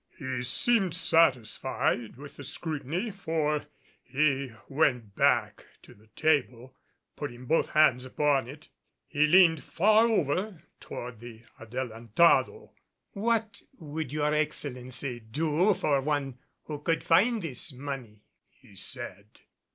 He seemed satisfied with the scrutiny, for he went back to the table; putting both hands upon it, he leaned far over toward the Adelantado. "What would your Excellency do for one who could find this money?" he said.